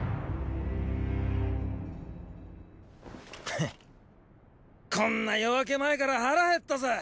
フッこんな夜明け前から腹へったぜ。